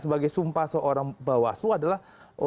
sebagai sumpah seorang mbak waslu adalah